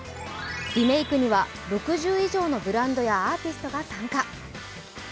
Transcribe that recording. リメークには６０以上のブランドやアーティストが参加。